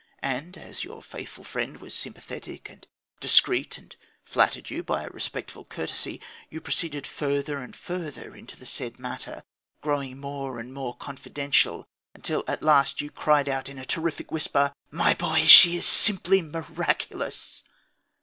And as your faithful friend was sympathetic and discreet, and flattered you by a respectful curiosity, you proceeded further and further into the said matter, growing more and more confidential, until at last you cried out, in a terrific whisper: "My boy, she is simply miraculous!"